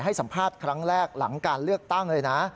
ให้สัมภาษณ์ครั้งแรกหลังการเลือกตั้งเลยนะ